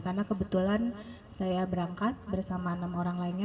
karena kebetulan saya berangkat bersama enam orang lainnya